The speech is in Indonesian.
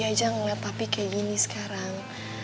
dia aja ngeliat papi kayak gini sekarang